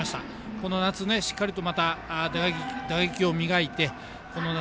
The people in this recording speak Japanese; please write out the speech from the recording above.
この夏しっかりとまた打撃を磨いてこの夏